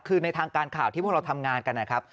คือในทางการข่าวที่พวกเราทำงานกันนะครับ